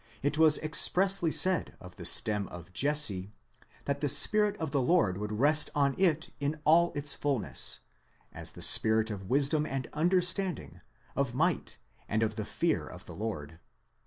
it was expressly said of the stem of Jesse, that the spirit of the Lord would rest on it in all its fulness, as the Spirit of wisdom and understanding, of might, and of the fear of the Lord.